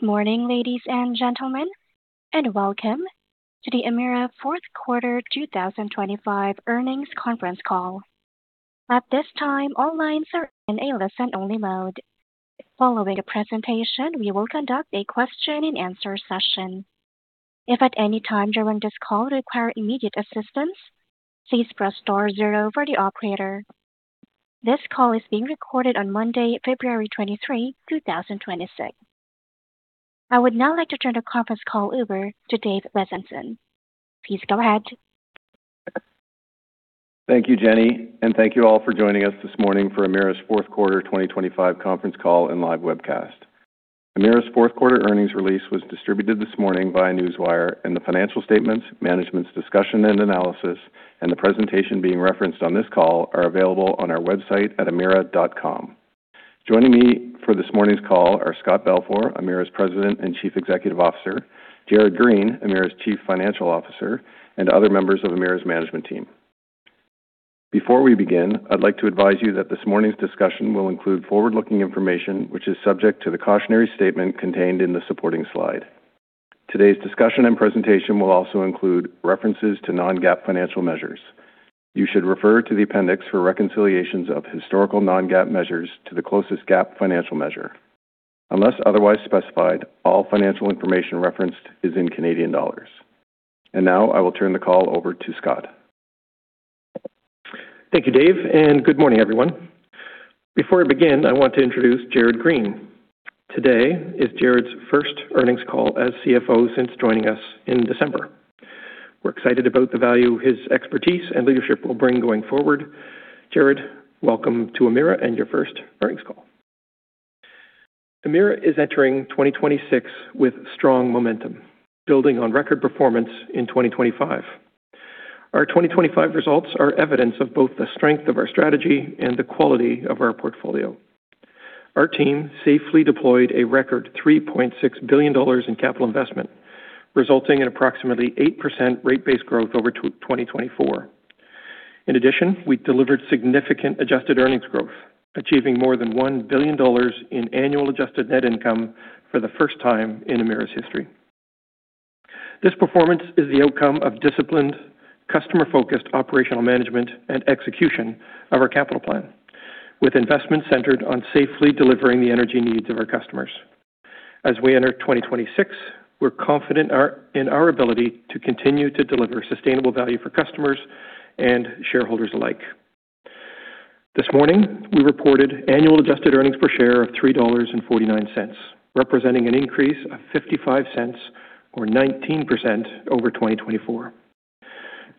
Morning, ladies and gentlemen, welcome to the Emera fourth quarter 2025 earnings conference call. At this time, all lines are in a listen-only mode. Following the presentation, we will conduct a question-and-answer session. If at any time during this call you require immediate assistance, please press star zero for the operator. This call is being recorded on Monday, February 23, 2026. I would now like to turn the conference call over to Dave Bezanson. Please go ahead. Thank you, Jenny, and thank you all for joining us this morning for Emera's fourth quarter 2025 conference call and live webcast. Emera's fourth quarter earnings release was distributed this morning by Newswire, the financial statements, management's discussion and analysis, and the presentation being referenced on this call are available on our website at emera.com. Joining me for this morning's call are Scott Balfour, Emera's President and Chief Executive Officer, Greg Blunden, Emera's Chief Financial Officer, and other members of Emera's management team. Before we begin, I'd like to advise you that this morning's discussion will include forward-looking information, which is subject to the cautionary statement contained in the supporting slide. Today's discussion and presentation will also include references to non-GAAP financial measures. You should refer to the appendix for reconciliations of historical non-GAAP measures to the closest GAAP financial measure. Unless otherwise specified, all financial information referenced is in Canadian dollars. Now I will turn the call over to Scott. Thank you, Dave, good morning, everyone. Before I begin, I want to introduce Jared Green. Today is Jared's first earnings call as CFO since joining us in December. We're excited about the value his expertise and leadership will bring going forward. Jared, welcome to Emera and your first earnings call. Emera is entering 2026 with strong momentum, building on record performance in 2025. Our 2025 results are evidence of both the strength of our strategy and the quality of our portfolio. Our team safely deployed a record 3.6 billion dollars in capital investment, resulting in approximately 8% rate-based growth over to 2024. In addition, we delivered significant adjusted earnings growth, achieving more than 1 billion dollars in annual adjusted net income for the first time in Emera's history. This performance is the outcome of disciplined, customer-focused operational management and execution of our capital plan, with investment centered on safely delivering the energy needs of our customers. As we enter 2026, we're confident in our ability to continue to deliver sustainable value for customers and shareholders alike. This morning, we reported annual adjusted earnings per share of 3.49 dollars, representing an increase of 0.55 or 19% over 2024.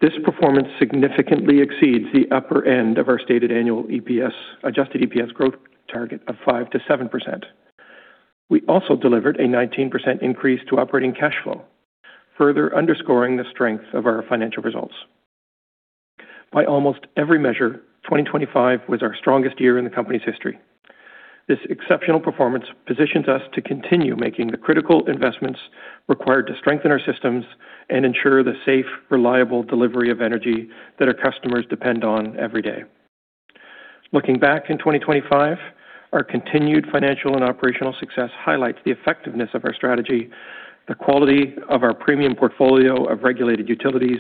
This performance significantly exceeds the upper end of our stated annual EPS, adjusted EPS growth target of 5%-7%. We also delivered a 19% increase to operating cash flow, further underscoring the strength of our financial results. By almost every measure, 2025 was our strongest year in the company's history. This exceptional performance positions us to continue making the critical investments required to strengthen our systems and ensure the safe, reliable delivery of energy that our customers depend on every day. Looking back in 2025, our continued financial and operational success highlights the effectiveness of our strategy, the quality of our premium portfolio of regulated utilities,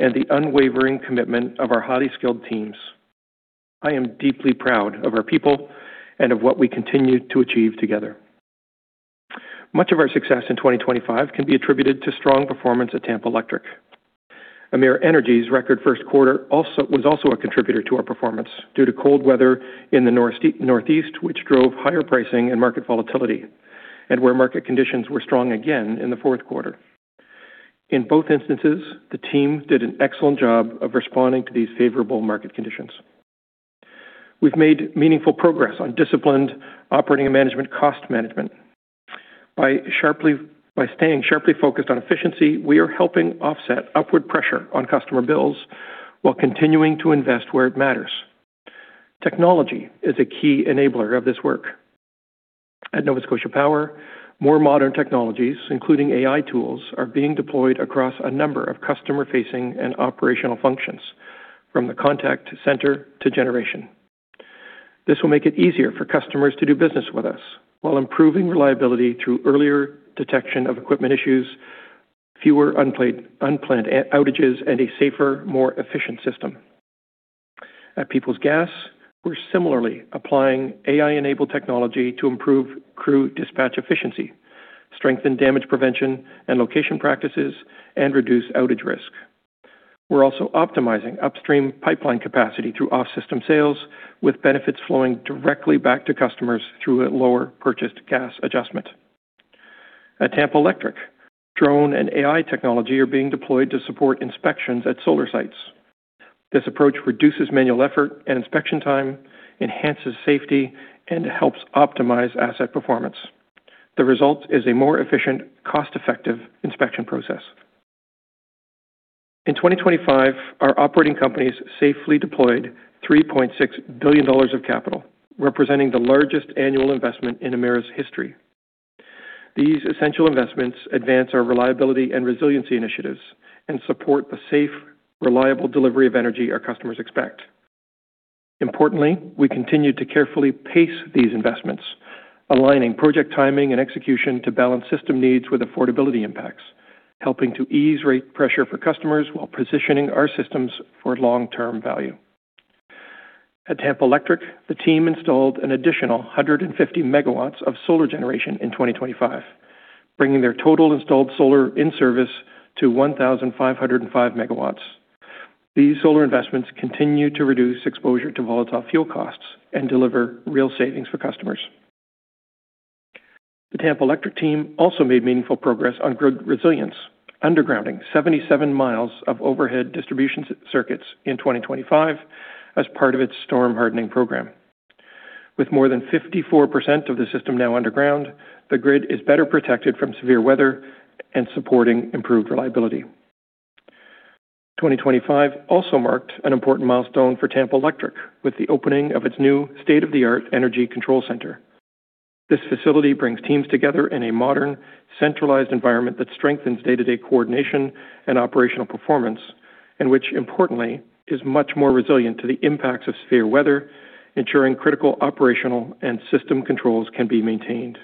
and the unwavering commitment of our highly skilled teams. I am deeply proud of our people and of what we continue to achieve together. Much of our success in 2025 can be attributed to strong performance at Tampa Electric. Emera Energy's record first quarter was also a contributor to our performance due to cold weather in the Northeast, which drove higher pricing and market volatility and where market conditions were strong again in the fourth quarter. In both instances, the team did an excellent job of responding to these favorable market conditions. We've made meaningful progress on disciplined operating and management cost management. By staying sharply focused on efficiency, we are helping offset upward pressure on customer bills while continuing to invest where it matters. Technology is a key enabler of this work. At Nova Scotia Power, more modern technologies, including AI tools, are being deployed across a number of customer-facing and operational functions, from the contact center to generation. This will make it easier for customers to do business with us while improving reliability through earlier detection of equipment issues, fewer unplanned outages, and a safer, more efficient system. At Peoples Gas, we're similarly applying AI-enabled technology to improve crew dispatch efficiency, strengthen damage prevention and location practices, and reduce outage risk. We're also optimizing upstream pipeline capacity through off-system sales, with benefits flowing directly back to customers through a lower Purchased Gas Adjustment. At Tampa Electric, drone and AI technology are being deployed to support inspections at solar sites. This approach reduces manual effort and inspection time, enhances safety, and helps optimize asset performance. The result is a more efficient, cost-effective inspection process. In 2025, our operating companies safely deployed 3.6 billion dollars of capital, representing the largest annual investment in Emera's history. These essential investments advance our reliability and resiliency initiatives and support the safe, reliable delivery of energy our customers expect. Importantly, we continued to carefully pace these investments, aligning project timing and execution to balance system needs with affordability impacts, helping to ease rate pressure for customers while positioning our systems for long-term value. At Tampa Electric, the team installed an additional 150 megawatts of solar generation in 2025, bringing their total installed solar in service to 1,505 MW These solar investments continue to reduce exposure to volatile fuel costs and deliver real savings for customers. The Tampa Electric team also made meaningful progress on grid resilience, undergrounding 77 mi of overhead distribution circuits in 2025 as part of its storm hardening program. With more than 54% of the system now underground, the grid is better protected from severe weather and supporting improved reliability. 2025 also marked an important milestone for Tampa Electric with the opening of its new state-of-the-art energy control center. This facility brings teams together in a modern, centralized environment that strengthens day-to-day coordination and operational performance, and which, importantly, is much more resilient to the impacts of severe weather, ensuring critical operational and system controls can be maintained.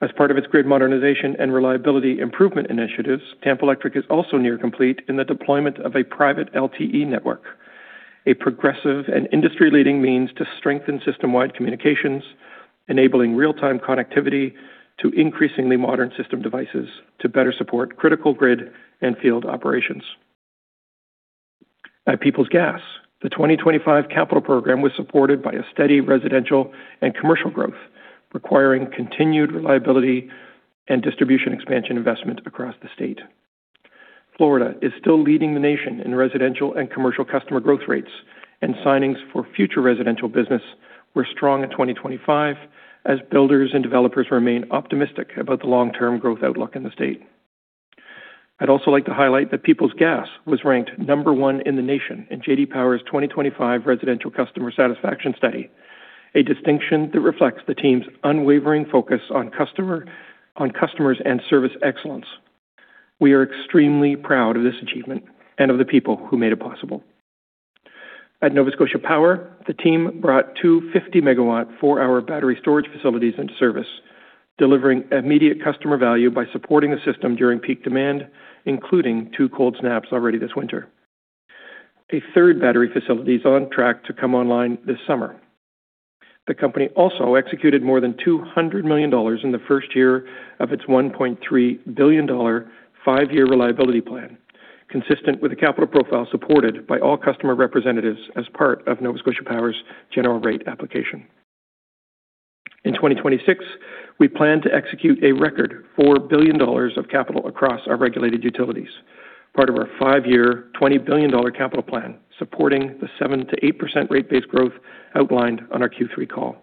As part of its grid modernization and reliability improvement initiatives, Tampa Electric is also near complete in the deployment of a private LTE network, a progressive and industry-leading means to strengthen system-wide communications, enabling real-time connectivity to increasingly modern system devices to better support critical grid and field operations. At Peoples Gas, the 2025 capital program was supported by a steady residential and commercial growth, requiring continued reliability and distribution expansion investment across the state. Florida is still leading the nation in residential and commercial customer growth rates, signings for future residential business were strong in 2025 as builders and developers remain optimistic about the long-term growth outlook in the state. I'd also like to highlight that Peoples Gas was ranked number one in the nation in J.D. Power's 2025 Residential Customer Satisfaction Study, a distinction that reflects the team's unwavering focus on customers and service excellence. We are extremely proud of this achievement and of the people who made it possible. At Nova Scotia Power, the team brought two 50-megawatt, four-hour battery storage facilities into service, delivering immediate customer value by supporting the system during peak demand, including two cold snaps already this winter. A third battery facility is on track to come online this summer. The company also executed more than 200 million dollars in the first year of its 1.3 billion dollar 5-year reliability plan, consistent with the capital profile supported by all customer representatives as part of Nova Scotia Power's general rate application. In 2026, we plan to execute a record 4 billion dollars of capital across our regulated utilities, part of our 5-year, 20 billion dollar capital plan, supporting the 7%-8% rate base growth outlined on our Q3 call.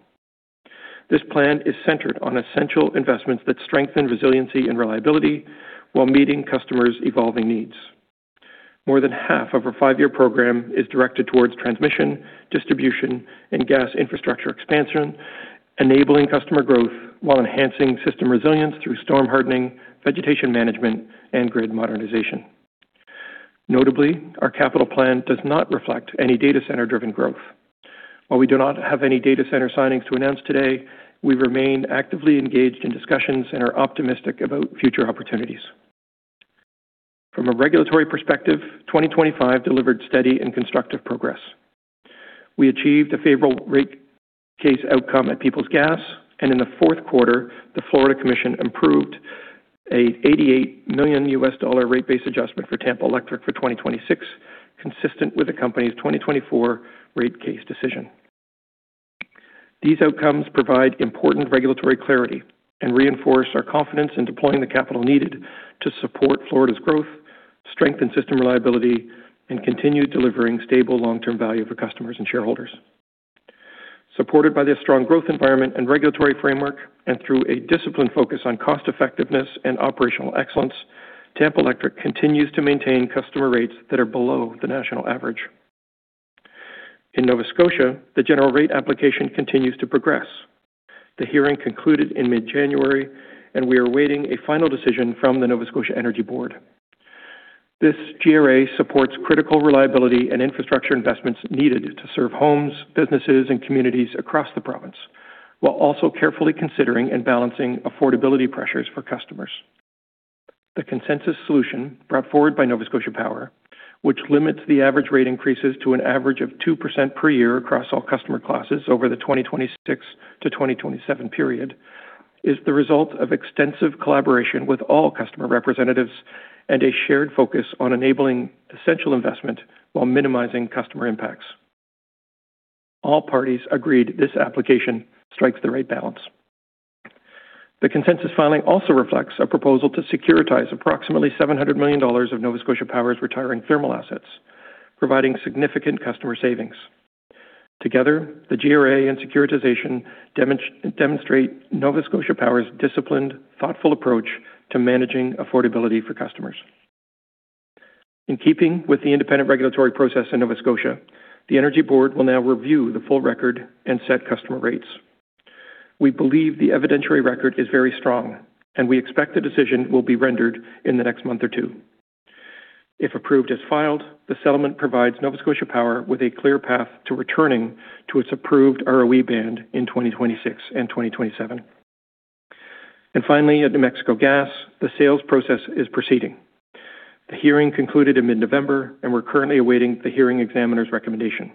This plan is centered on essential investments that strengthen resiliency and reliability while meeting customers' evolving needs. More than half of our 5-year program is directed towards transmission, distribution, and gas infrastructure expansion, enabling customer growth while enhancing system resilience through storm hardening, vegetation management, and grid modernization. Notably, our capital plan does not reflect any data center-driven growth. While we do not have any data center signings to announce today, we remain actively engaged in discussions and are optimistic about future opportunities. From a regulatory perspective, 2025 delivered steady and constructive progress. We achieved a favorable rate case outcome at Peoples Gas, in the fourth quarter, the Florida Commission improved a CAD 88 million rate base adjustment for Tampa Electric for 2026, consistent with the company's 2024 rate case decision. These outcomes provide important regulatory clarity and reinforce our confidence in deploying the capital needed to support Florida's growth, strengthen system reliability, and continue delivering stable long-term value for customers and shareholders. Supported by this strong growth environment and regulatory framework, through a disciplined focus on cost effectiveness and operational excellence, Tampa Electric continues to maintain customer rates that are below the national average. In Nova Scotia, the general rate application continues to progress. The hearing concluded in mid-January, and we are awaiting a final decision from the Nova Scotia Energy Board. This GRA supports critical reliability and infrastructure investments needed to serve homes, businesses, and communities across the province, while also carefully considering and balancing affordability pressures for customers. The consensus solution brought forward by Nova Scotia Power, which limits the average rate increases to an average of 2% per year across all customer classes over the 2026 to 2027 period, is the result of extensive collaboration with all customer representatives and a shared focus on enabling essential investment while minimizing customer impacts. All parties agreed this application strikes the right balance. The consensus filing also reflects a proposal to securitize approximately 700 million dollars of Nova Scotia Power's retiring thermal assets, providing significant customer savings. Together, the GRA and securitization demonstrate Nova Scotia Power's disciplined, thoughtful approach to managing affordability for customers. In keeping with the independent regulatory process in Nova Scotia, the Energy Board will now review the full record and set customer rates. We believe the evidentiary record is very strong, and we expect the decision will be rendered in the next month or two. If approved as filed, the settlement provides Nova Scotia Power with a clear path to returning to its approved ROE band in 2026 and 2027. Finally, at New Mexico Gas, the sales process is proceeding. The hearing concluded in mid-November, and we're currently awaiting the hearing examiner's recommendation.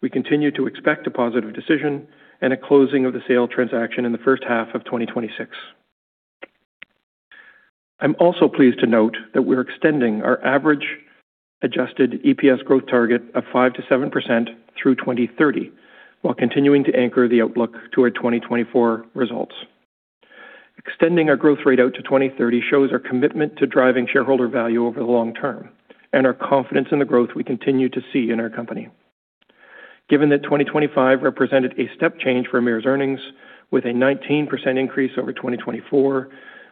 We continue to expect a positive decision and a closing of the sale transaction in the first half of 2026. I'm also pleased to note that we're extending our average adjusted EPS growth target of 5%-7% through 2030, while continuing to anchor the outlook to our 2024 results. Extending our growth rate out to 2030 shows our commitment to driving shareholder value over the long term and our confidence in the growth we continue to see in our company. Given that 2025 represented a step change for Emera's earnings, with a 19% increase over 2024,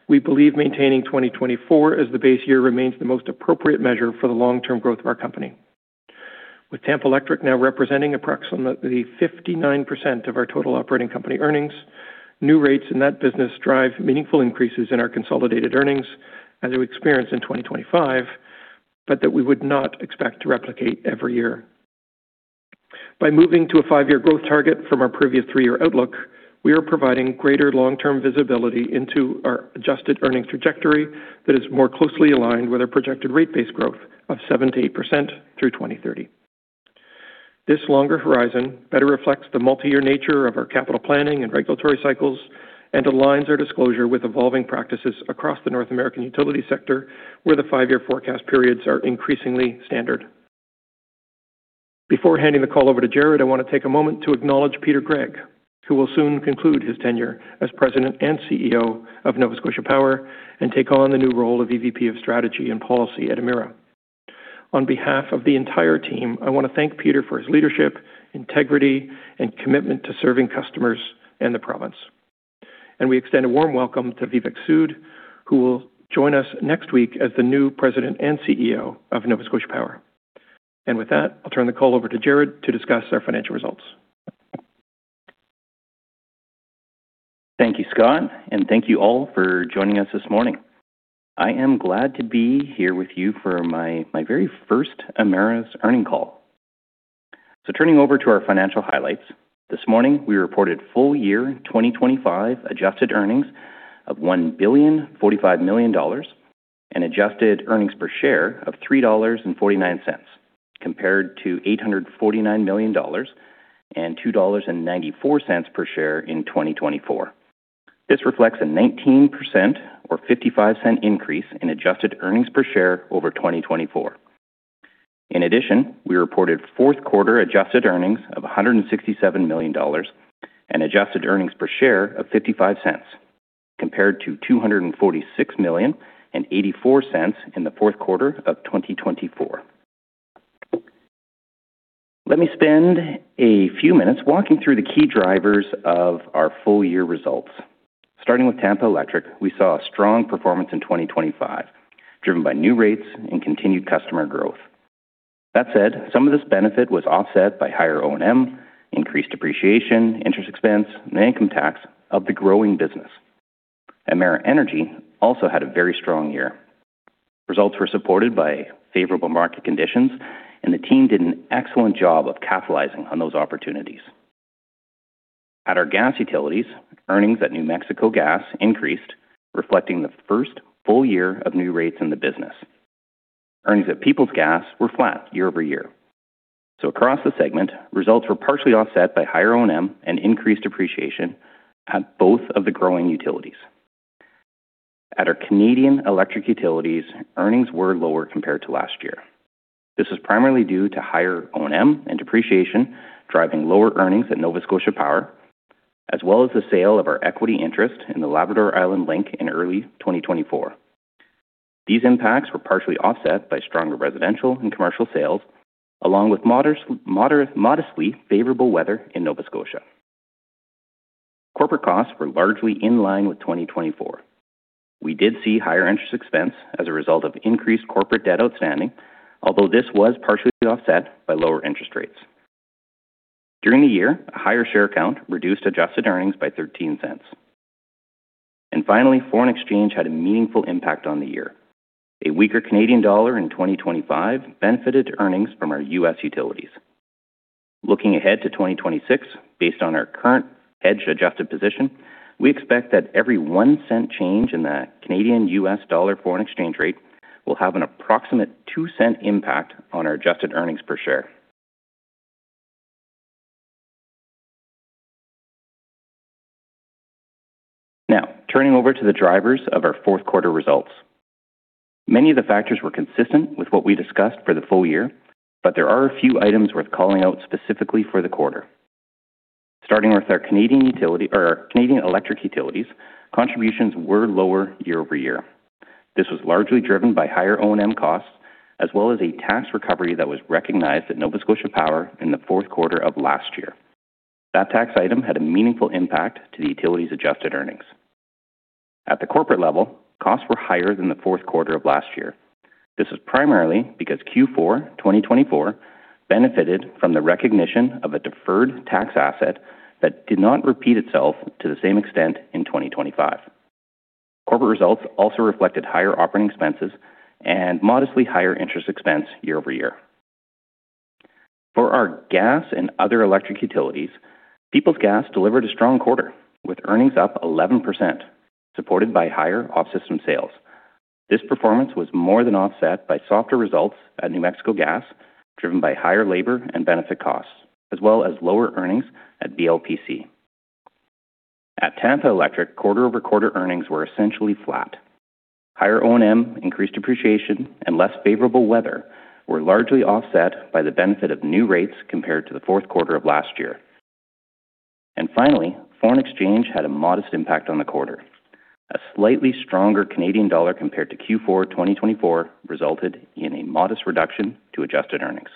we believe maintaining 2024 as the base year remains the most appropriate measure for the long-term growth of our company. With Tampa Electric now representing approximately 59% of our total operating company earnings, new rates in that business drive meaningful increases in our consolidated earnings as we experienced in 2025, but that we would not expect to replicate every year. By moving to a 5-year growth target from our previous 3-year outlook, we are providing greater long-term visibility into our adjusted earnings trajectory that is more closely aligned with our projected rate-based growth of 7%-8% through 2030. This longer horizon better reflects the multi-year nature of our capital planning and regulatory cycles and aligns our disclosure with evolving practices across the North American utility sector, where the 5-year forecast periods are increasingly standard. Before handing the call over to Greg Blunden, I want to take a moment to acknowledge Peter Gregg, who will soon conclude his tenure as President and CEO of Nova Scotia Power and take on the new role of EVP of Strategy and Policy at Emera. On behalf of the entire team, I want to thank Peter for his leadership, integrity, and commitment to serving customers and the province. We extend a warm welcome to Vivek Sood, who will join us next week as the new President and CEO of Nova Scotia Power. With that, I'll turn the call over to Jared to discuss our financial results. Thank you, Scott. Thank you all for joining us this morning. I am glad to be here with you for my, my very first Emera's earnings call. Turning over to our financial highlights, this morning, we reported full year 2025 adjusted earnings of 1,045 million dollars and adjusted earnings per share of 3.49 dollars, compared to 849 million dollars and 2.94 dollars per share in 2024. This reflects a 19% or 0.55 increase in adjusted earnings per share over 2024. In addition, we reported fourth quarter adjusted earnings of 167 million dollars and adjusted earnings per share of 0.55, compared to 246 million and 0.84 in the fourth quarter of 2024. Let me spend a few minutes walking through the key drivers of our full-year results. Starting with Tampa Electric, we saw a strong performance in 2025, driven by new rates and continued customer growth. That said, some of this benefit was offset by higher O&M, increased depreciation, interest expense, and income tax of the growing business. Emera Energy also had a very strong year. Results were supported by favorable market conditions, and the team did an excellent job of capitalizing on those opportunities. At our gas utilities, earnings at New Mexico Gas increased, reflecting the first full year of new rates in the business. Earnings at Peoples Gas were flat year-over-year. Across the segment, results were partially offset by higher O&M and increased depreciation at both of the growing utilities. At our Canadian electric utilities, earnings were lower compared to last year. This is primarily due to higher O&M and depreciation, driving lower earnings at Nova Scotia Power, as well as the sale of our equity interest in the Labrador-Island Link in early 2024. These impacts were partially offset by stronger residential and commercial sales, along with modest, modestly favorable weather in Nova Scotia. Corporate costs were largely in line with 2024. We did see higher interest expense as a result of increased corporate debt outstanding, although this was partially offset by lower interest rates. During the year, a higher share count reduced adjusted earnings by 0.13. Finally, foreign exchange had a meaningful impact on the year. A weaker Canadian dollar in 2025 benefited earnings from our U.S. utilities. Looking ahead to 2026, based on our current hedge-adjusted position, we expect that every 0.01 change in the Canadian U.S. dollar foreign exchange rate will have an approximate 0.02 impact on our adjusted earnings per share. Turning over to the drivers of our fourth quarter results. Many of the factors were consistent with what we discussed for the full year, there are a few items worth calling out specifically for the quarter. Starting with our Canadian utility or Canadian electric utilities, contributions were lower year-over-year. This was largely driven by higher O&M costs, as well as a tax recovery that was recognized at Nova Scotia Power in the fourth quarter of last year. That tax item had a meaningful impact to the utility's adjusted earnings. At the corporate level, costs were higher than the fourth quarter of last year. This is primarily because Q4 2024 benefited from the recognition of a deferred tax asset that did not repeat itself to the same extent in 2025. Corporate results also reflected higher operating expenses and modestly higher interest expense year-over-year. For our gas and other electric utilities, Peoples Gas delivered a strong quarter, with earnings up 11%, supported by higher off-system sales. This performance was more than offset by softer results at New Mexico Gas, driven by higher labor and benefit costs, as well as lower earnings at BLPC. At Tampa Electric, quarter-over-quarter earnings were essentially flat. Higher O&M, increased depreciation, and less favorable weather were largely offset by the benefit of new rates compared to the fourth quarter of last year. Finally, foreign exchange had a modest impact on the quarter. A slightly stronger Canadian dollar compared to Q4 2024 resulted in a modest reduction to adjusted earnings.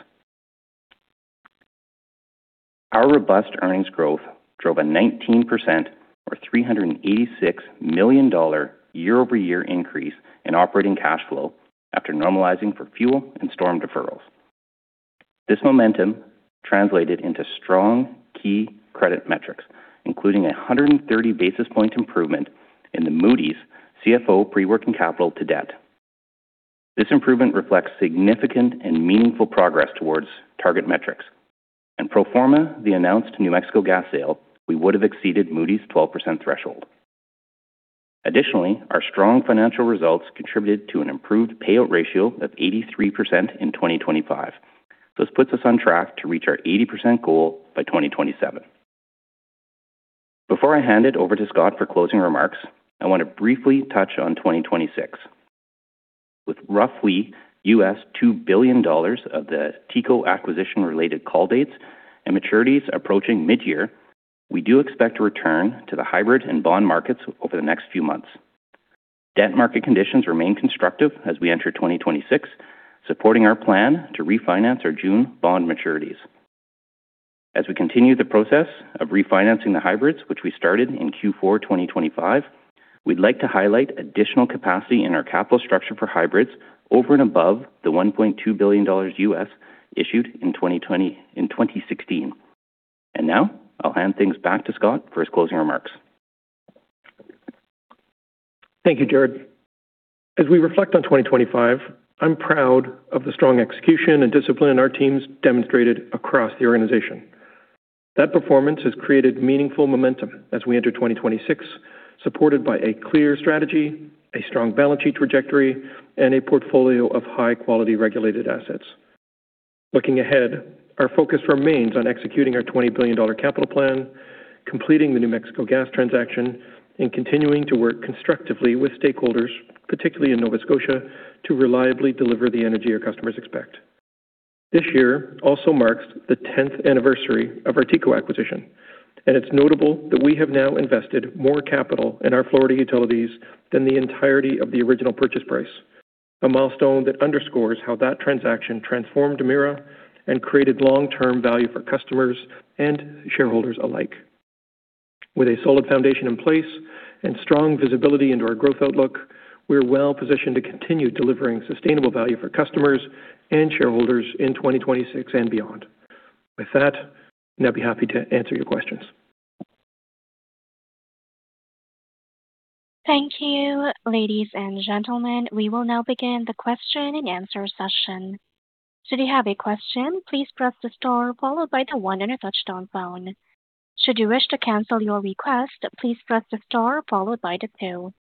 Our robust earnings growth drove a 19% or 386 million dollar year-over-year increase in operating cash flow after normalizing for fuel and storm deferrals. This momentum translated into strong key credit metrics, including a 130 basis point improvement in the Moody's CFO pre-working capital to debt. This improvement reflects significant and meaningful progress towards target metrics. Pro forma, the announced New Mexico Gas sale, we would have exceeded Moody's 12% threshold. Additionally, our strong financial results contributed to an improved payout ratio of 83% in 2025. This puts us on track to reach our 80% goal by 2027. Before I hand it over to Scott for closing remarks, I want to briefly touch on 2026. With roughly 2 billion dollars of the TECO acquisition-related call dates and maturities approaching midyear, we do expect to return to the hybrid and bond markets over the next few months. Debt market conditions remain constructive as we enter 2026, supporting our plan to refinance our June bond maturities. As we continue the process of refinancing the hybrids, which we started in Q4 2025, we'd like to highlight additional capacity in our capital structure for hybrids over and above the 1.2 billion dollars issued in 2016. Now I'll hand things back to Scott for his closing remarks. Thank you, Greg. As we reflect on 2025, I'm proud of the strong execution and discipline our teams demonstrated across the organization. That performance has created meaningful momentum as we enter 2026, supported by a clear strategy, a strong balance sheet trajectory, and a portfolio of high-quality regulated assets. Looking ahead, our focus remains on executing our 20 billion dollar capital plan, completing the New Mexico Gas transaction, and continuing to work constructively with stakeholders, particularly in Nova Scotia, to reliably deliver the energy our customers expect. This year also marks the 10th anniversary of our TECO acquisition. It's notable that we have now invested more capital in our Florida utilities than the entirety of the original purchase price, a milestone that underscores how that transaction transformed Emera and created long-term value for customers and shareholders alike. With a solid foundation in place and strong visibility into our growth outlook, we're well positioned to continue delivering sustainable value for customers and shareholders in 2026 and beyond. With that, I'd now be happy to answer your questions. Thank you, ladies and gentlemen. We will now begin the question-and-answer session. Should you have a question, please press the star followed by the one on your touchtone phone. Should you wish to cancel your request, please press the star followed by the two.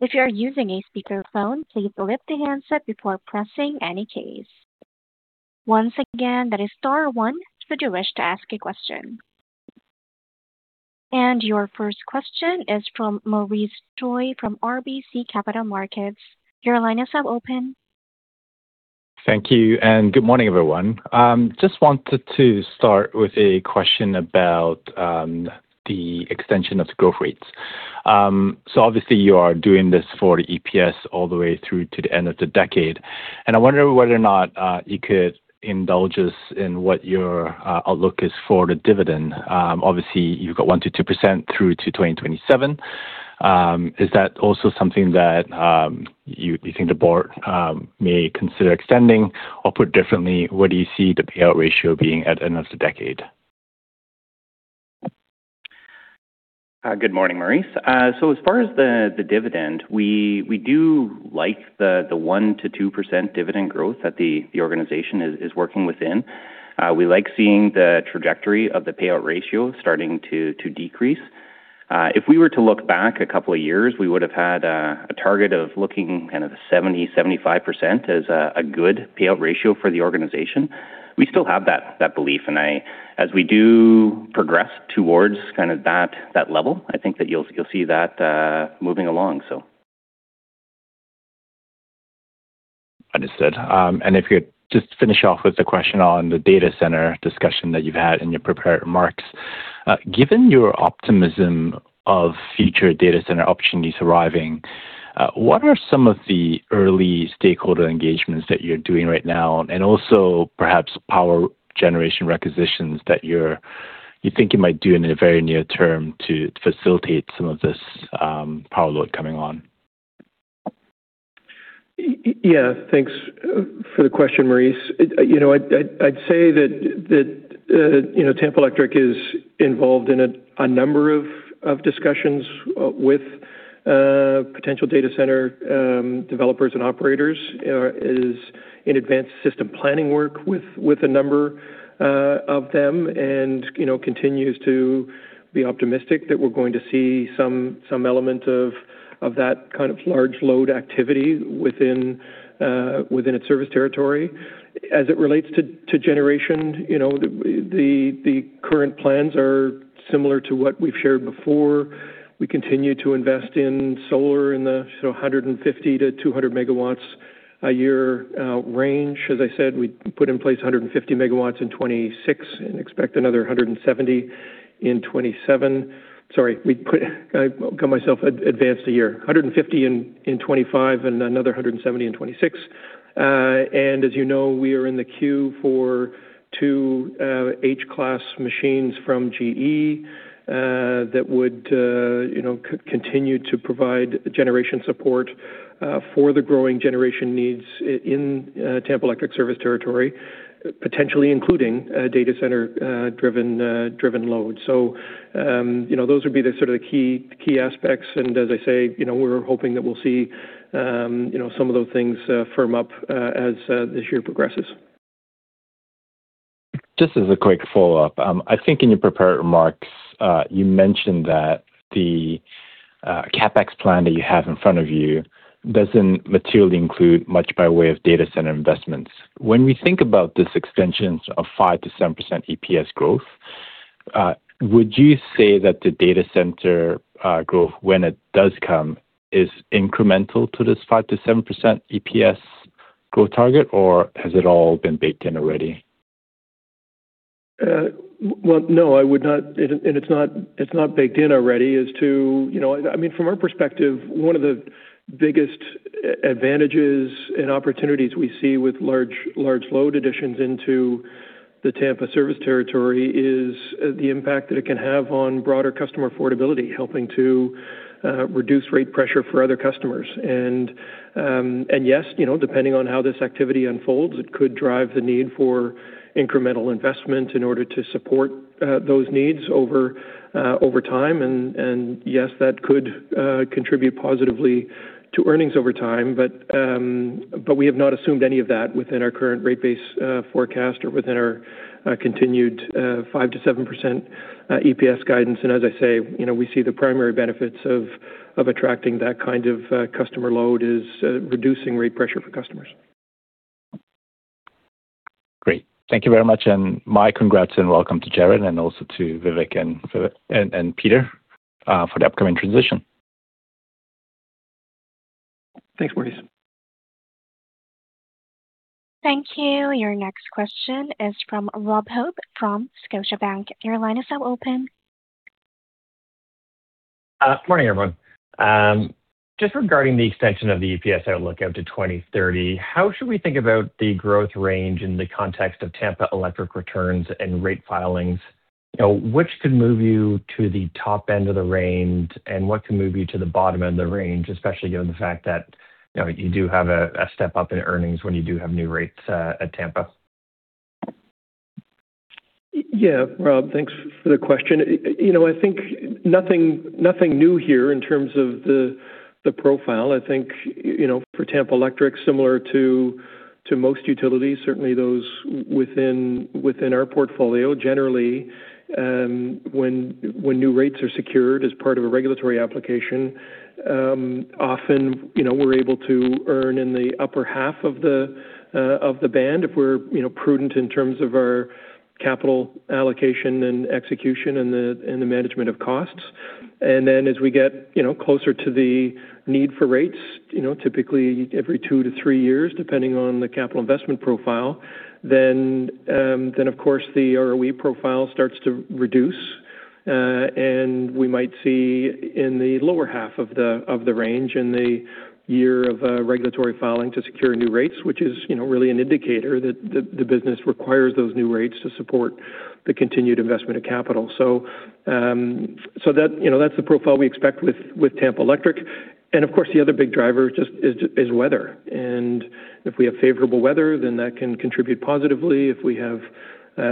If you are using a speakerphone, please lift the handset before pressing any keys. Once again, that is star 1 should you wish to ask a question. Your first question is from Maurice Choy from RBC Capital Markets. Your line is now open. Thank you, and good morning, everyone. Just wanted to start with a question about the extension of the growth rates. Obviously you are doing this for the EPS all the way through to the end of the decade, and I wonder whether or not you could indulge us in what your outlook is for the dividend. Obviously, you've got 1%-2% through to 2027. Is that also something that you, you think the board may consider extending? Or put differently, where do you see the payout ratio being at the end of the decade? Good morning, Maurice. As far as the dividend, we do like the 1%-2% dividend growth that the organization is working within. We like seeing the trajectory of the payout ratio starting to decrease. If we were to look back a couple of years, we would have had a target of looking kind of 70%-75% as a good payout ratio for the organization. We still have that belief, and as we do progress towards kind of that level, I think that you'll see that moving along. Understood. If you could just finish off with the question on the data center discussion that you've had in your prepared remarks. Given your optimism of future data center opportunities arriving, what are some of the early stakeholder engagements that you're doing right now? Also perhaps power generation requisitions that You think you might do in a very near term to facilitate some of this power load coming on? Yeah, thanks for the question, Maurice. It, you know, I'd, I'd, I'd say that, that, you know, Tampa Electric is involved in a number of discussions with potential data center developers and operators. is in advanced system planning work with a number of them, and, you know, continues to be optimistic that we're going to see some element of that kind of large load activity within its service territory. As it relates to generation, you know, the current plans are similar to what we've shared before. We continue to invest in solar in the sort of 150 MW-200 MW a year range. As I said, we put in place 150 MW in 2026 and expect another 170 in 2027. Sorry, we put - I got myself advanced a year. 150 in 2025 and another 170 in 2026. As you know, we are in the queue for 2 H-Class machines from GE, that would, you know, continue to provide generation support for the growing generation needs in Tampa Electric service territory, potentially including data center driven driven load. You know, those would be the sort of the key, key aspects. As I say, you know, we're hoping that we'll see, you know, some of those things firm up as this year progresses. Just as a quick follow-up. I think in your prepared remarks, you mentioned that the CapEx plan that you have in front of you doesn't materially include much by way of data center investments. When we think about this extension of 5%-7% EPS growth, would you say that the data center growth, when it does come, is incremental to this 5%-7% EPS growth target, or has it all been baked in already? Well, no, I would not. It's not, it's not baked in already. You know, I mean, from our perspective, one of the biggest advantages and opportunities we see with large, large load additions into the Tampa service territory is the impact that it can have on broader customer affordability, helping to reduce rate pressure for other customers. Yes, you know, depending on how this activity unfolds, it could drive the need for incremental investment in order to support those needs over time. Yes, that could contribute positively to earnings over time. We have not assumed any of that within our current rate base forecast or within our continued 5%-7% EPS guidance. As I say, you know, we see the primary benefits of, of attracting that kind of customer load is reducing rate pressure for customers. Great. Thank you very much, and my congrats and welcome to Jared and also to Vivek and Peter for the upcoming transition. Thanks, Maurice. Thank you. Your next question is from Robert Hope, from Scotiabank. Your line is now open. Morning, everyone. Just regarding the extension of the EPS outlook out to 2030, how should we think about the growth range in the context of Tampa Electric returns and rate filings? You know, which could move you to the top end of the range, and what could move you to the bottom end of the range, especially given the fact that, you know, you do have a, a step up in earnings when you do have new rates at Tampa? Yeah, Rob, thanks for the question. You know, I think nothing, nothing new here in terms of the, the profile. I think, you know, for Tampa Electric, similar to, to most utilities, certainly those within, within our portfolio, generally, when, when new rates are secured as part of a regulatory application, often, you know, we're able to earn in the upper half of the band if we're, you know, prudent in terms of our capital allocation and execution and the, and the management of costs. As we get, you know, closer to the need for rates, you know, typically every 2-3 years, depending on the capital investment profile, then, of course, the ROE profile starts to reduce. We might see in the lower half of the, of the range in the year of regulatory filing to secure new rates, which is, you know, really an indicator that the, the business requires those new rates to support the continued investment of capital. So that, you know, that's the profile we expect with, with Tampa Electric. Of course, the other big driver just is, is weather. If we have favorable weather, then that can contribute positively. If we have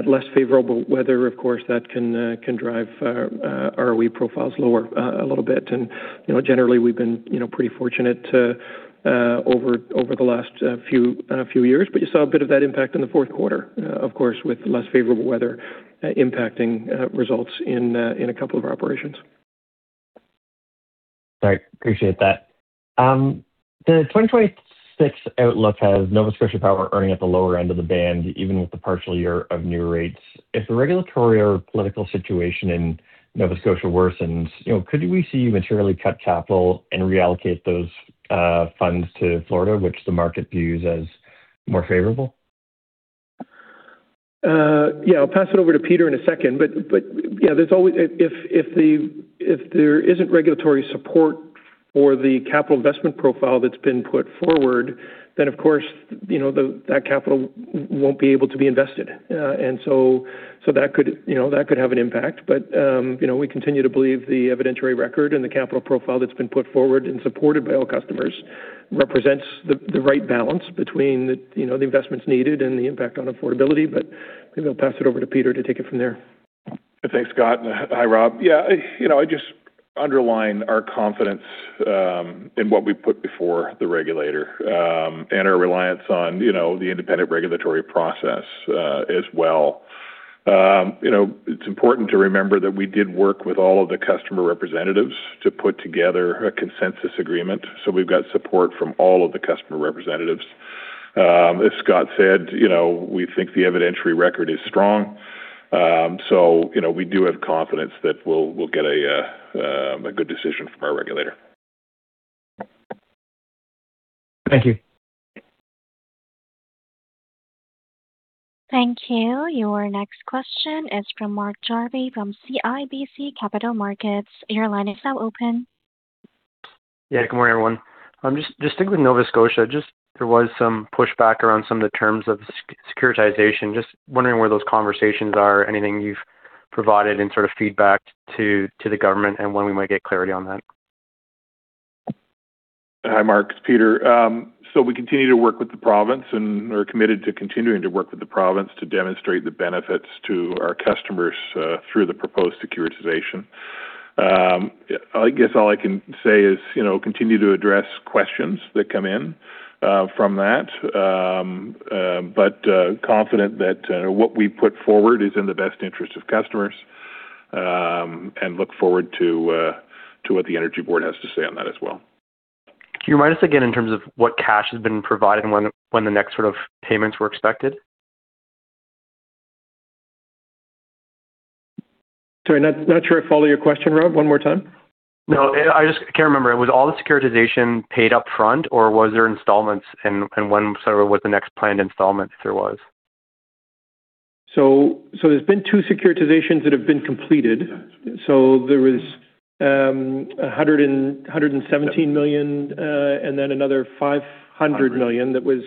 less favorable weather, of course, that can drive our ROE profiles lower a little bit. You know, generally, we've been, you know, pretty fortunate over the last few years. You saw a bit of that impact in the fourth quarter, of course, with less favorable weather, impacting results in a couple of our operations. All right. Appreciate that. The 2026 outlook has Nova Scotia Power earning at the lower end of the band, even with the partial year of new rates. If the regulatory or political situation in Nova Scotia worsens, you know, could we see you materially cut capital and reallocate those funds to Florida, which the market views as more favorable? Yeah, I'll pass it over to Peter in a second, but, but, yeah, there's always... If there isn't regulatory support-... or the capital investment profile that's been put forward, then of course, you know, the, that capital won't be able to be invested. And so, so that could, you know, that could have an impact. You know, we continue to believe the evidentiary record and the capital profile that's been put forward and supported by all customers represents the, the right balance between the, you know, the investments needed and the impact on affordability. Maybe I'll pass it over to Peter to take it from there. Thanks, Scott. Hi, Rob. Yeah, you know, I just underline our confidence in what we put before the regulator and our reliance on, you know, the independent regulatory process as well. You know, it's important to remember that we did work with all of the customer representatives to put together a consensus agreement, so we've got support from all of the customer representatives. As Scott said, you know, we think the evidentiary record is strong. You know, we do have confidence that we'll, we'll get a good decision from our regulator. Thank you. Thank you. Your next question is from Mark Jarvi, from CIBC Capital Markets. Your line is now open. Yeah. Good morning, everyone. Sticking with Nova Scotia, there was some pushback around some of the terms of the securitization. Just wondering where those conversations are, anything you've provided in sort of feedback to the government, and when we might get clarity on that? Hi, Mark, it's Peter. We continue to work with the province, and we're committed to continuing to work with the province to demonstrate the benefits to our customers, through the proposed securitization. I guess all I can say is, you know, continue to address questions that come in, from that, but confident that what we put forward is in the best interest of customers, and look forward to what the Energy Board has to say on that as well. Can you remind us again in terms of what cash has been provided and when, when the next sort of payments were expected? Sorry, not, not sure I follow your question, Rob. One more time? No, I just can't remember. Was all the securitization paid up front, or was there installments and, and when, sort of, what the next planned installment, if there was? There's been 2 securitizations that have been completed. There was 117 million, and then another 500 million that was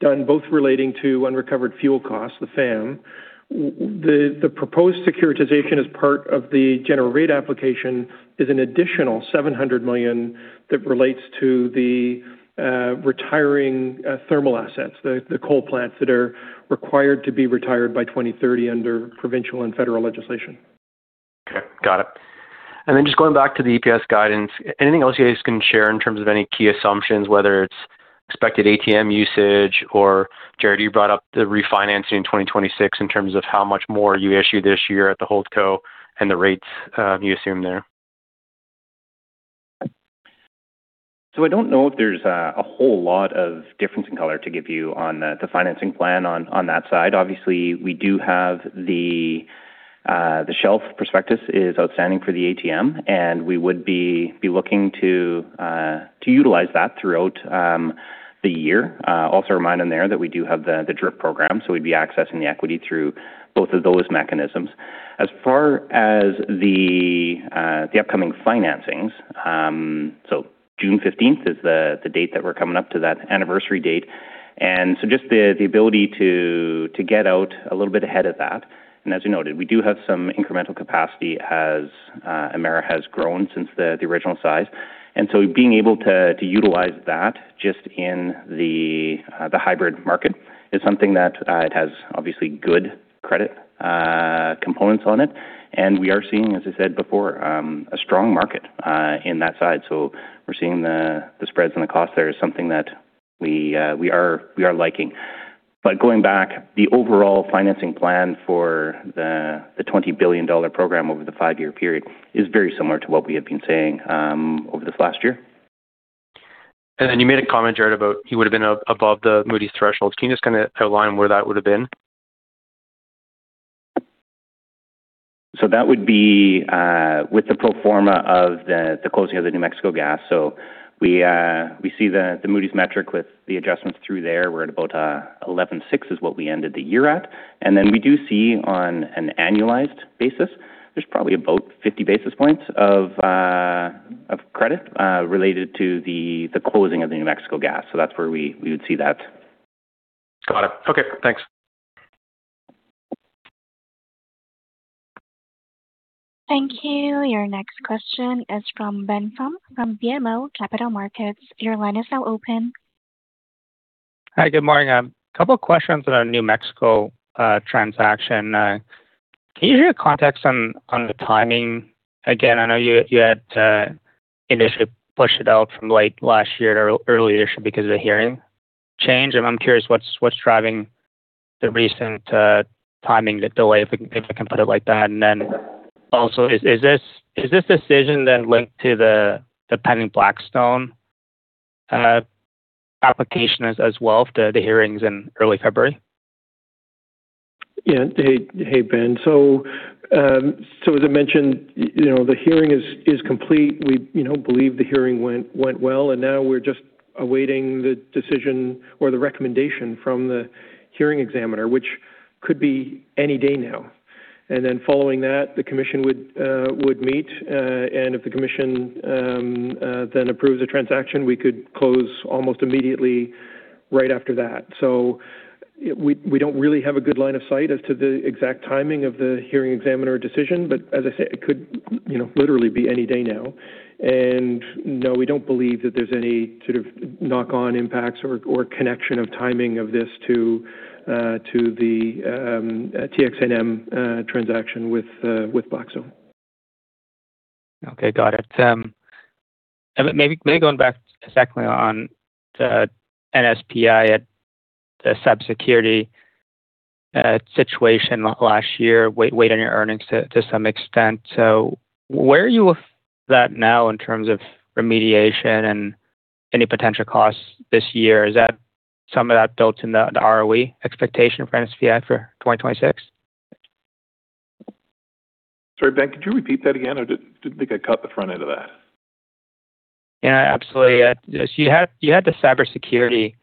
done, both relating to unrecovered fuel costs, the FAM. The proposed securitization as part of the general rate application is an additional 700 million that relates to the retiring thermal assets, the coal plants that are required to be retired by 2030 under provincial and federal legislation. Okay, got it. Then just going back to the EPS guidance, anything else you guys can share in terms of any key assumptions, whether it's expected ATM usage or, Jared, you brought up the refinancing in 2026 in terms of how much more you issued this year at the Holdco and the rates you assume there? I don't know if there's a whole lot of difference in color to give you on the financing plan on that side. Obviously, we do have the shelf prospectus is outstanding for the ATM, and we would be looking to utilize that throughout the year. Also remind them there that we do have the DRIP program, so we'd be accessing the equity through both of those mechanisms. As far as the upcoming financings, June 15th is the date that we're coming up to, that anniversary date. Just the ability to get out a little bit ahead of that. As you noted, we do have some incremental capacity as Emera has grown since the original size. So being able to, to utilize that just in the hybrid market is something that it has obviously good credit components on it. We are seeing, as I said before, a strong market in that side. We're seeing the, the spreads and the cost there is something that we are, we are liking. Going back, the overall financing plan for the 20 billion dollar program over the 5-year period is very similar to what we have been saying over this last year. Then you made a comment, Greg, about you would have been above the Moody's threshold. Can you just kind of outline where that would have been? That would be with the pro forma of the closing of the New Mexico Gas. We see the Moody's metric with the adjustments through there. We're at about 11.6 is what we ended the year at. We do see on an annualized basis, there's probably about 50 basis points of credit related to the closing of the New Mexico Gas. That's where we would see that. Got it. Okay, thanks. Thank you. Your next question is from Ben Pham from BMO Capital Markets. Your line is now open. Hi, good morning. A couple of questions about New Mexico transaction. Can you hear context on, on the timing? Again, I know you had initially pushed it out from late last year to early this year because of the hearing change, and I'm curious what's driving the recent timing, the delay, if I can, if I can put it like that. Then also, is this decision then linked to the pending Blackstone application as well, the hearings in early February? Yeah. Hey, hey, Ben. As I mentioned, you know, the hearing is complete. We, you know, believe the hearing went, went well, and now we're just awaiting the decision or the recommendation from the hearing examiner, which could be any day now. Then following that, the commission would meet, and if the commission then approves the transaction, we could close almost immediately right after that. We, we don't really have a good line of sight as to the exact timing of the hearing examiner decision, but as I said, it could, you know, literally be any day now. No, we don't believe that there's any sort of knock-on impacts or connection of timing of this to the TXNM transaction with Blackstone. Okay, got it. maybe, maybe going back secondly on the Nova Scotia Power Inc. at the cybersecurity situation last year, weight, weight on your earnings to, to some extent. Where are you with that now in terms of remediation and any potential costs this year? Is that some of that built in the, the ROE expectation for Nova Scotia Power Inc. for 2026? Sorry, Ben, could you repeat that again? I didn't think I caught the front end of that. Yeah, absolutely. You had, you had the cybersecurity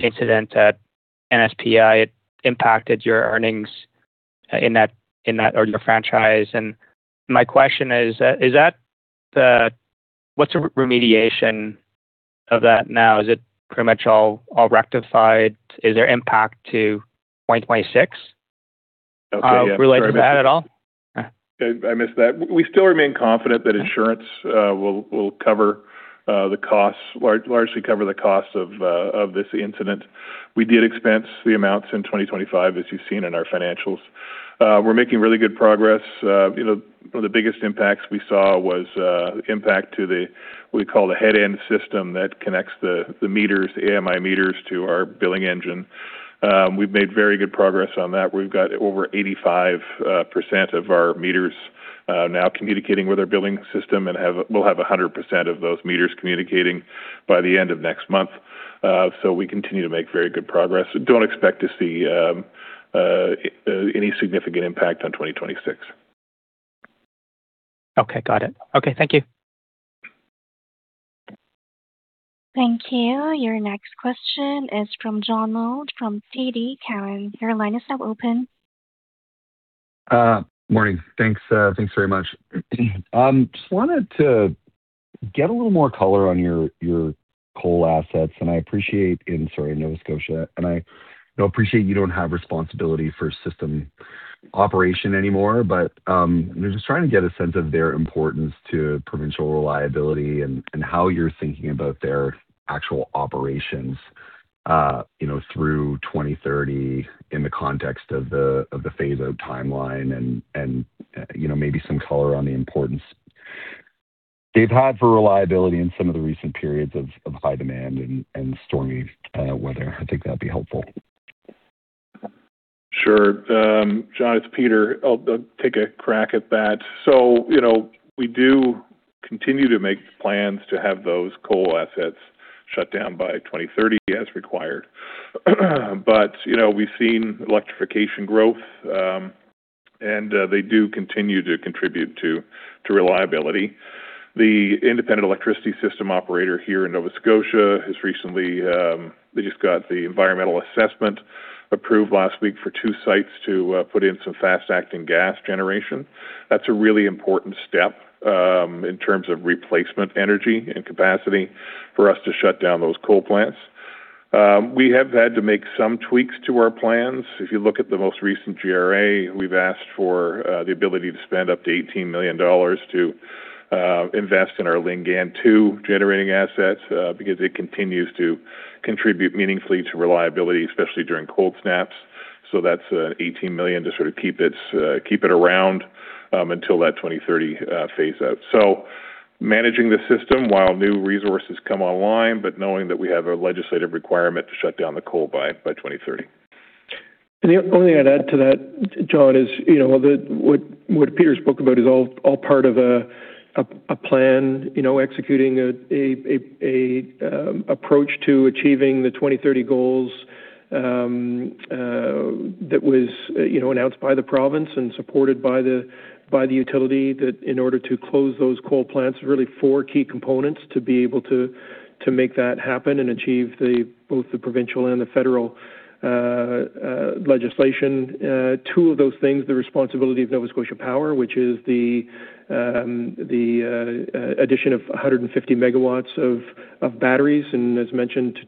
incident at NSPI. It impacted your earnings in that, in that, or your franchise. My question is, what's the remediation of that now? Is it pretty much all, all rectified? Is there impact to 2026 related to that at all? I, I missed that. We still remain confident that insurance will, will cover the costs, large- largely cover the costs of this incident. We did expense the amounts in 2025, as you've seen in our financials. We're making really good progress. You know, one of the biggest impacts we saw was impact to the, we call the head-end system that connects the, the meters, the AMI meters to our billing engine. We've made very good progress on that. We've got over 85% of our meters now communicating with our billing system and have, we'll have 100% of those meters communicating by the end of next month. We continue to make very good progress. Don't expect to see any significant impact on 2026. Okay, got it. Okay, thank you. Thank you. Your next question is from John Mould from TD Cowen. Your line is now open. Morning. Thanks, thanks very much. Just wanted to get a little more color on your, your coal assets, and I appreciate in, sorry, Nova Scotia, and I know, appreciate you don't have responsibility for system operation anymore, but, I'm just trying to get a sense of their importance to provincial reliability and, and how you're thinking about their actual operations, you know, through 2030 in the context of the, of the phase out timeline and, and, you know, maybe some color on the importance they've had for reliability in some of the recent periods of, of high demand and, and stormy, weather. I think that'd be helpful. Sure. John Mould, it's Peter Gregg. I'll, I'll take a crack at that. You know, we do continue to make plans to have those coal assets shut down by 2030, as required. You know, we've seen electrification growth, and they do continue to contribute to, to reliability. The independent electricity system operator here in Nova Scotia has recently, they just got the environmental assessment approved last week for 2 sites to put in some fast-acting gas generation. That's a really important step, in terms of replacement energy and capacity for us to shut down those coal plants. We have had to make some tweaks to our plans. If you look at the most recent GRA, we've asked for the ability to spend up to 18 million dollars to invest in our Lingan 2 generating assets, because it continues to contribute meaningfully to reliability, especially during cold snaps. That's 18 million to sort of keep it keep it around until that 2030 phase out. Managing the system while new resources come online, but knowing that we have a legislative requirement to shut down the coal by, by 2030. The only thing I'd add to that, John, is, you know, what Peter spoke about is all part of a plan, you know, executing an approach to achieving the 2030 goals that was, you know, announced by the province and supported by the utility. In order to close those coal plants, really 4 key components to be able to make that happen and achieve both the provincial and the federal legislation. Two of those things, the responsibility of Nova Scotia Power, which is the addition of 150 MW of batteries. As mentioned,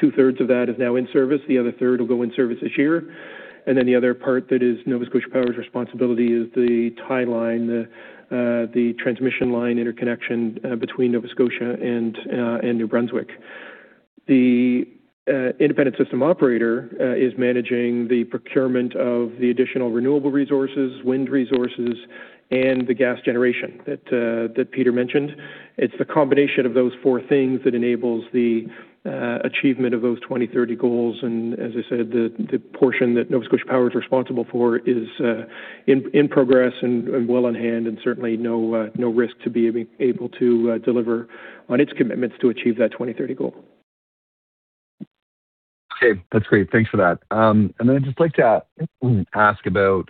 two-thirds of that is now in service. The other third will go in service this year. The other part that is Nova Scotia Power's responsibility is the tie-line, the transmission line interconnection between Nova Scotia and New Brunswick. The independent system operator is managing the procurement of the additional renewable resources, wind resources, and the gas generation that Peter mentioned. It's the combination of those four things that enables the achievement of those 2030 goals. As I said, the portion that Nova Scotia Power is responsible for is in progress and well in hand, and certainly no risk to be able to deliver on its commitments to achieve that 2030 goal. Okay, that's great. Thanks for that. Then I'd just like to, ask about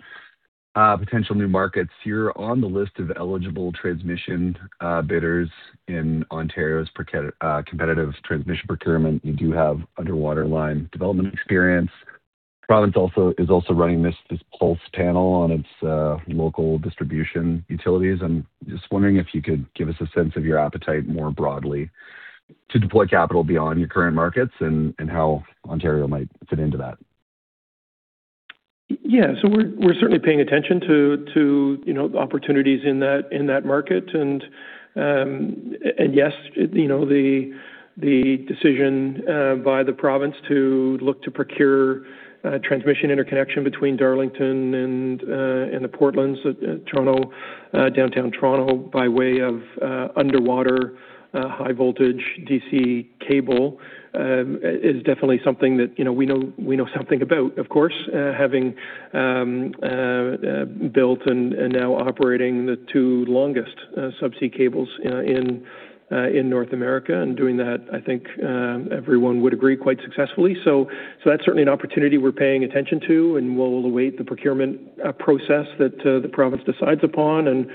potential new markets. You're on the list of eligible transmission bidders in Ontario's competitive transmission procurement. You do have underwater line development experience. Province also, is also running this, this Pulse panel on its, local distribution utilities. I'm just wondering if you could give us a sense of your appetite more broadly to deploy capital beyond your current markets and, and how Ontario might fit into that? Yeah. So we're, we're certainly paying attention to, to, you know, opportunities in that, in that market. Yes, you know, the decision by the province to look to procure transmission interconnection between Darlington and the Portlands, Toronto, downtown Toronto, by way of underwater high voltage DC cable, is definitely something that, you know, we know, we know something about, of course, having built and now operating the two longest subsea cables in North America. Doing that, I think, everyone would agree, quite successfully. That's certainly an opportunity we're paying attention to, and we'll await the procurement process that the province decides upon. `And,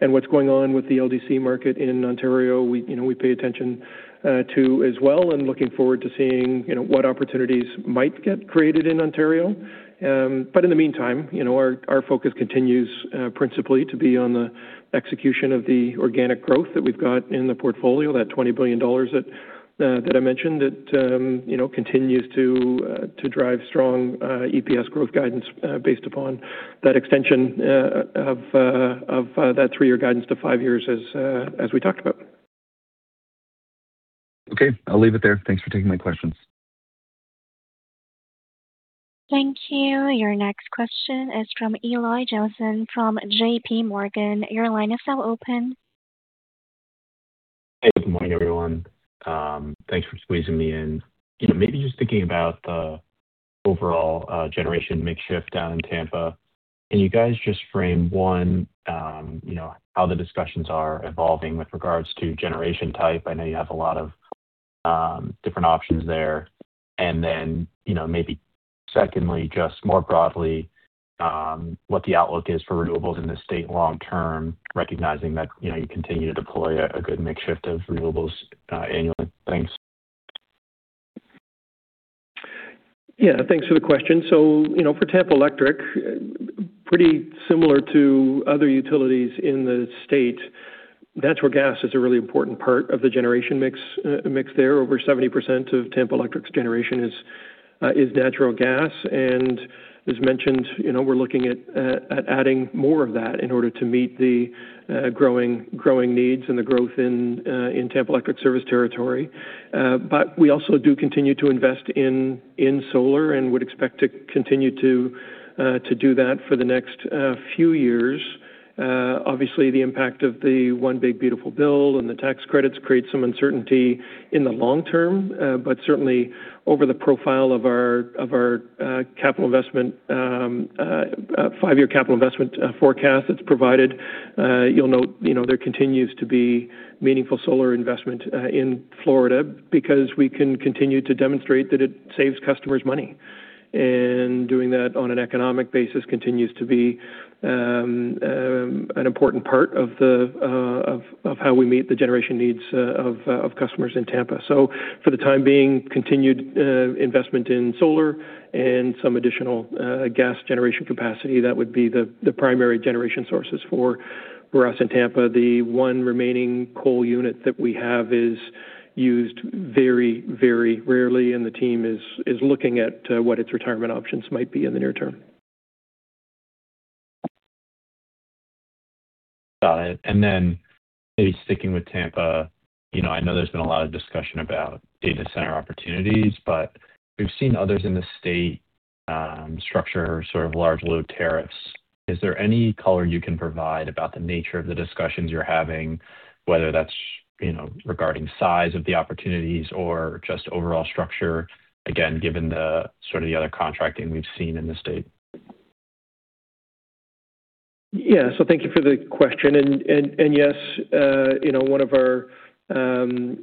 and what's going on with the LDC market in Ontario, we, you know, we pay attention, uh, to as well, and looking forward to seeing, you know, what opportunities might get created in Ontario. Um, but in the meantime, you know, our, our focus continues, uh, principally to be on the execution of the organic growth that we've got in the portfolio, that twenty billion dollars that, uh, that I mentioned that, um, you know, continues to, uh, to drive strong, uh, EPS growth guidance, uh, based upon that extension, uh, of, uh, of, uh, that three-year guidance to five years as uh, as we talked about.` Okay, I'll leave it there. Thanks for taking my questions. Thank you. Your next question is from Eli Jossen from JPMorgan. Your line is now open. Hey, good morning, everyone. Thanks for squeezing me in. You know, maybe just thinking about the overall generation mix shift down in Tampa. Can you guys just frame, one, you know, how the discussions are evolving with regards to generation type? I know you have a lot of different options there. Then, you know, maybe secondly, just more broadly, what the outlook is for renewables in the state long term, recognizing that, you know, you continue to deploy a good mix shift of renewables annually. Thanks. Yeah, thanks for the question. You know, for Tampa Electric, pretty similar to other utilities in the state, natural gas is a really important part of the generation mix, mix there. Over 70% of Tampa Electric's generation is natural gas, and as mentioned, you know, we're looking at adding more of that in order to meet the growing, growing needs and the growth in Tampa Electric service territory. We also do continue to invest in, in solar and would expect to continue to do that for the next few years. Obviously, the impact of the One Big Beautiful Bill and the tax credits create some uncertainty in the long term, but certainly over the profile of our, of our capital investment, 5-year capital investment forecast that's provided, you'll note, you know, there continues to be meaningful solar investment in Florida because we can continue to demonstrate that it saves customers money. Doing that on an economic basis continues to be an important part of the of how we meet the generation needs of customers in Tampa. For the time being, continued investment in solar and some additional gas generation capacity, that would be the, the primary generation sources for us in Tampa. The one remaining coal unit that we have is used very, very rarely, and the team is, is looking at, what its retirement options might be in the near term. Got it. Then maybe sticking with Tampa, you know, I know there's been a lot of discussion about data center opportunities, but we've seen others in the state, structure sort of large load tariffs. Is there any color you can provide about the nature of the discussions you're having, whether that's, you know, regarding size of the opportunities or just overall structure? Again, given the sort of the other contracting we've seen in the state. Yeah. Thank you for the question. And, and yes, you know, one of our, one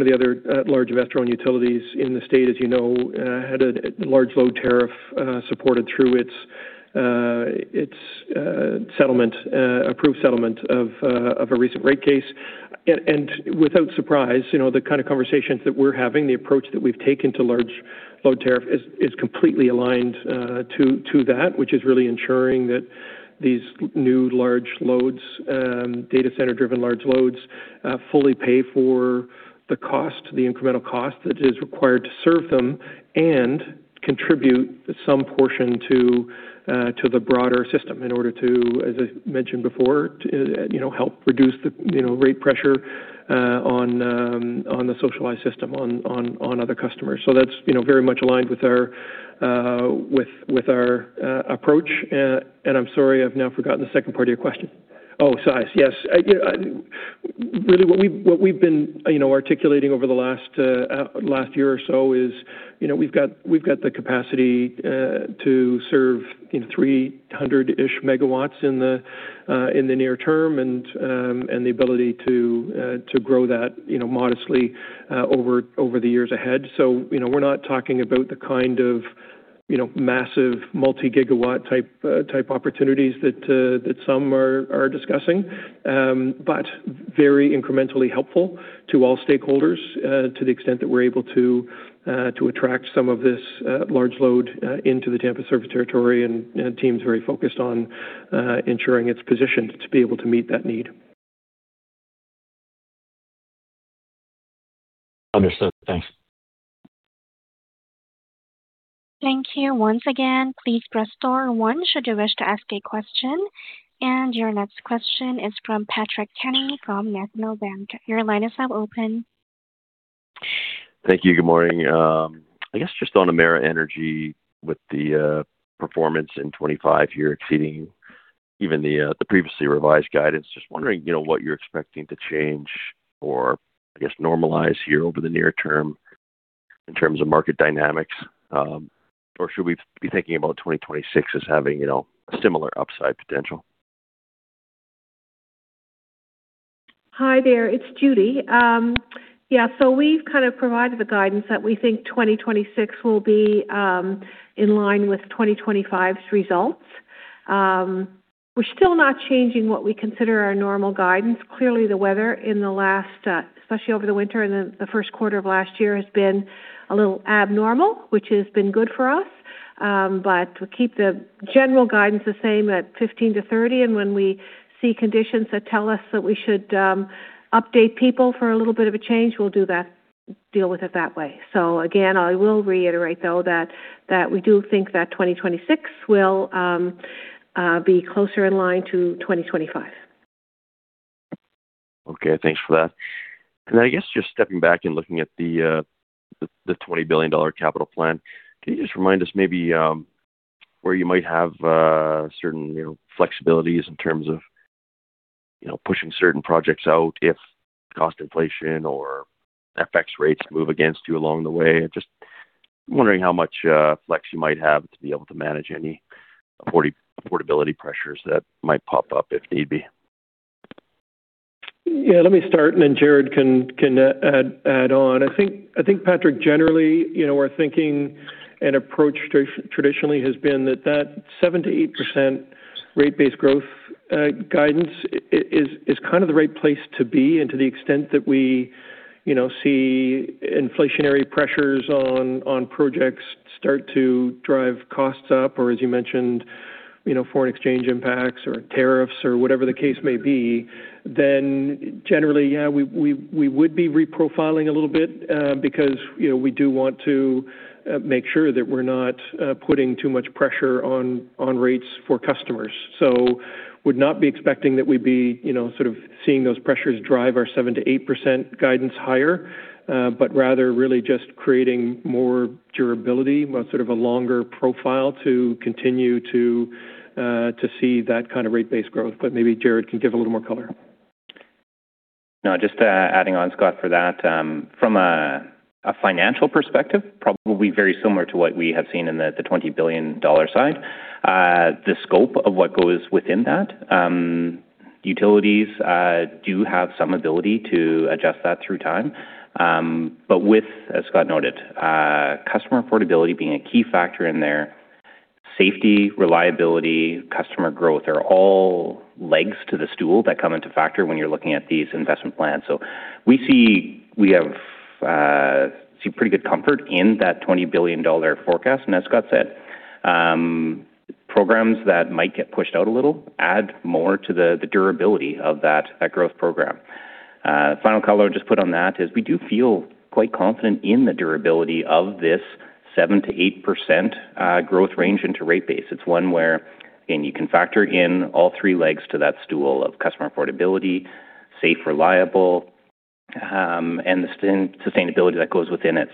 of the other, large investor-owned utilities in the state, as you know, had a large load tariff, supported through its, its, settlement, approved settlement of, of a recent rate case. Without surprise, you know, the kind of conversations that we're having, the approach that we've taken to large load tariff is, is completely aligned, to that, which is really ensuring that these new large loads, data center-driven large loads, fully pay for the cost, the incremental cost that is required to serve them and contribute some portion to the broader system in order to, as I mentioned before, you know, help reduce the, you know, rate pressure on the socialized system, on other customers. That's, you know, very much aligned with our, with, with our, approach. I'm sorry, I've now forgotten the second part of your question. Oh, size. Yes. You know, really what we've, what we've been, you know, articulating over the last, last year or so is, you know, we've got, we've got the capacity to serve, you know, 300-ish megawatts in the near term and the ability to grow that, you know, modestly over the years ahead. you know, we're not talking about the kind of, you know, massive multi-gigawatt type, type opportunities that some are, are discussing. very incrementally helpful to all stakeholders to the extent that we're able to attract some of this large load into the Tampa service territory, and the team's very focused on ensuring it's positioned to be able to meet that need. Understood. Thanks. Thank you. Once again, please press star one should you wish to ask a question. Your next question is from Patrick Kenny from National Bank. Your line is now open. Thank you. Good morning. I guess just on Emera Energy, with the performance in 25, you're exceeding even the previously revised guidance. Just wondering, you know, what you're expecting to change or, I guess, normalize here over the near term in terms of market dynamics? Should we be thinking about 2026 as having, you know, a similar upside potential? Hi there, it's Judy. We've kind of provided the guidance that we think 2026 will be in line with 2025's results. We're still not changing what we consider our normal guidance. Clearly, the weather in the last, especially over the winter and the, the first quarter of last year, has been a little abnormal, which has been good for us. We'll keep the general guidance the same at 15-30, when we see conditions that tell us that we should update people for a little bit of a change, we'll do that, deal with it that way. I will reiterate, though, that, that we do think that 2026 will be closer in line to 2025. Okay. Thanks for that. I guess just stepping back and looking at the, the 20 billion dollar capital plan, can you just remind us maybe, where you might have, certain, you know, flexibilities in terms of, you know, pushing certain projects out if cost inflation or FX rates move against you along the way? Just wondering how much flex you might have to be able to manage any afford- affordability pressures that might pop up if need be. Yeah, let me start, and then Greg Blunden can, can add, add on. I think, I think, Patrick, generally, you know, our thinking and approach traditionally has been that that 7%-8% rate base growth, guidance is kind of the right place to be. To the extent that we, you know, see inflationary pressures on, on projects start to drive costs up, or as you mentioned, you know, foreign exchange impacts or tariffs or whatever the case may be, then generally, yeah, we, we, we would be reprofiling a little bit, because, you know, we do want to make sure that we're not putting too much pressure on, on rates for customers. would not be expecting that we'd be, you know, sort of seeing those pressures drive our 7%-8% guidance higher, but rather really just creating more durability, sort of a longer profile to continue to see that kind of rate-based growth. Maybe Jared can give a little more color. No, just adding on, Scott, for that, from a financial perspective, probably very similar to what we have seen in the 20 billion dollar side. The scope of what goes within that, utilities do have some ability to adjust that through time. But with, as Scott noted, customer affordability being a key factor in there, safety, reliability, customer growth are all legs to the stool that come into factor when you're looking at these investment plans. So we see- we have, see pretty good comfort in that 20 billion dollar forecast. And as Scott said, programs that might get pushed out a little add more to the durability of that, that growth program. Final color I'll just put on that is we do feel quite confident in the durability of this 7%-8% growth range into rate base. It's one where, again, you can factor in all three legs to that stool of customer affordability, safe, reliable, and the sus- sustainability that goes within it.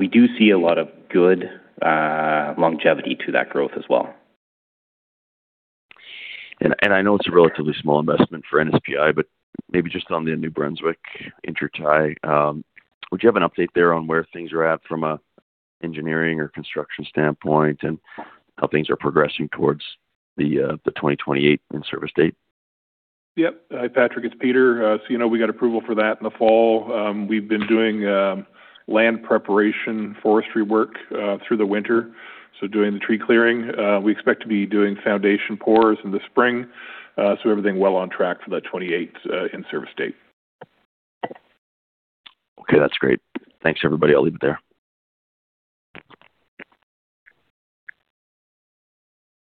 We do see a lot of good longevity to that growth as well. I know it's a relatively small investment for NSPI, but maybe just on the New Brunswick intertie, would you have an update there on where things are at from an engineering or construction standpoint, and how things are progressing towards the 2028 in-service date? Yep. Hi, Patrick, it's Peter. You know, we got approval for that in the fall. We've been doing, land preparation, forestry work, through the winter, so doing the tree clearing. We expect to be doing foundation pours in the spring, everything well on track for that 28, in-service date. Okay, that's great. Thanks, everybody. I'll leave it there.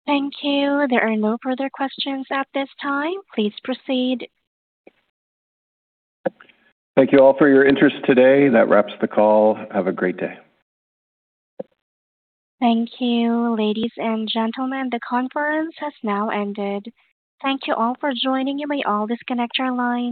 Thank you. There are no further questions at this time. Please proceed. Thank you all for your interest today. That wraps the call. Have a great day. Thank you, ladies and gentlemen. The conference has now ended. Thank you all for joining. You may all disconnect your lines.